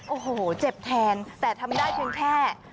โอ้โหเจ็บแทนแต่ทำได้เพียงแค่